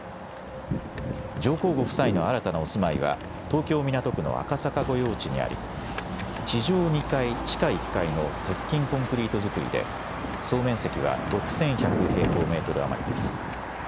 上皇ご夫妻の新たなお住まいは東京港区の赤坂御用地にあり地上２階、地下１階の鉄筋コンクリート造りで総面積は６１００平方メートル余りです。